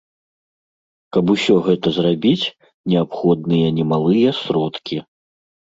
Каб усё гэта зрабіць, неабходныя немалыя сродкі.